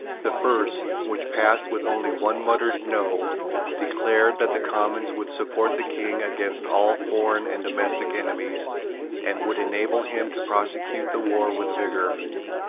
The first, which passed with only one muttered No, declared that the Commons would support the King against all foreign and domestic enemies, and would enable him to prosecute the war with vigour.